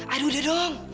aduh udah dong